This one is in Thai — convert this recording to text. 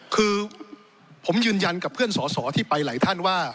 คือผมยืนยันกับเพื่อนสอสอที่ไปหลายท่านว่า